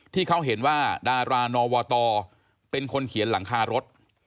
ที่เขาเห็นว่าดารานอวตเป็นคนเขียนหลังคารถ